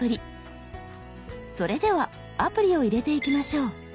それではアプリを入れていきましょう。